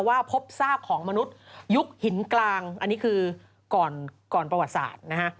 พบซากของมนุษยุคหินกลางอันนี้คือก่อนประวัติศาสตร์นะฮะ